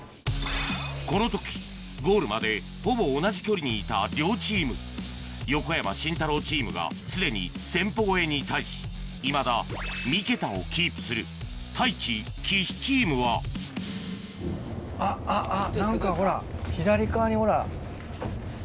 この時ゴールまでほぼ同じ距離にいた両チーム横山・慎太郎チームがすでに１０００歩超えに対しいまだ３桁をキープする太一・岸チームは何かほら左側にほら。